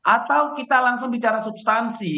atau kita langsung bicara substansi